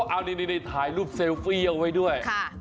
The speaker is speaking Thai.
เอานี่ถ่ายรูปเซลฟี่เอาไว้ด้วย